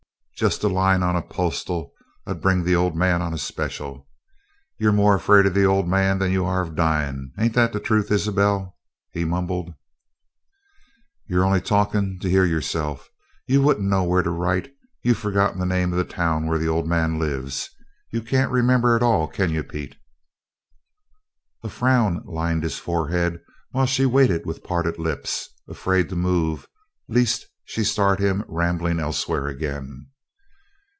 "Jest a line on a postal ud bring the Old Man on a special. You're more afraid of the Old Man than you are of dyin' ain't it the truth, Isabelle?" he mumbled. "You're only talking to hear yourself you wouldn't know where to write. You've forgotten the name of the town where the 'Old Man' lives. You can't remember at all, can you, Pete?" A frown lined his forehead while she waited with parted lips, afraid to move lest she start him rambling elsewhere again.